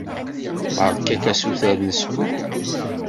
Beṛka-k asuter n ssmaḥ.